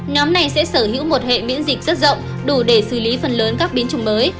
nhóm này sẽ sở hữu một hệ miễn dịch rất rộng đủ để xử lý phần lớn các biến chủng mới